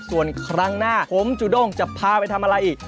ส่วนครั้งหน้าผมจุด้งจะพาไปทำอะไรอีก